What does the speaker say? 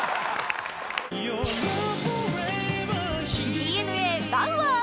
ＤｅＮＡバウアー。